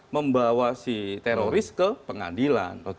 membawa si teroris ke pengadilan